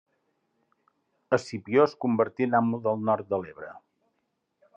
Escipió es convertí en amo del nord de l'Ebre.